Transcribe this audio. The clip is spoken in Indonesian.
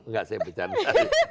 enggak saya bercanda